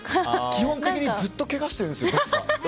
基本的にずっとけがしてるんですよ、どっか。